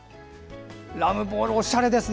ラムボールおしゃれですね。